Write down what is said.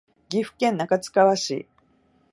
岐阜県中津川市